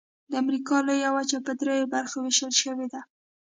د امریکا لویه وچه په درې برخو ویشل شوې ده.